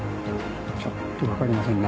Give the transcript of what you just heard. ちょっとわかりませんね。